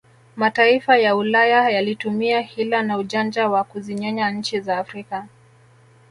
Mataifa ya ulaya yalitumia Hila na ujanja wa kuzinyonya nchi za Afrika